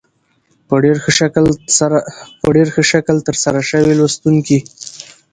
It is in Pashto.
په ډېر ښه شکل تر سره شوې لوستونکي